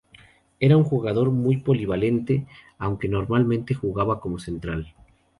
Era un jugador muy polivalente, aunque normalmente jugaba como central.